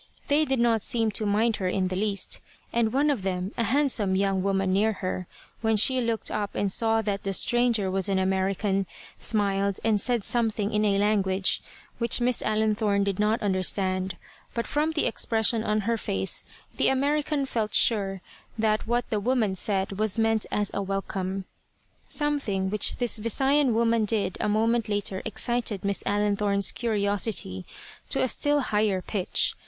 They did not seem to mind her in the least, and one of them a handsome young woman near her when she looked up and saw that the stranger was an American, smiled, and said something in a language which Miss Allenthorne did not understand; but from the expression on her face the American felt sure that what the woman said was meant as a welcome. Something which this Visayan woman did a moment later excited Miss Allenthorne's curiosity to a still higher pitch.